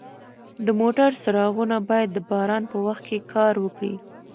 د موټر څراغونه باید د باران په وخت کار وکړي.